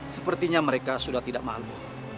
sepertinya mereka sudah tidak malu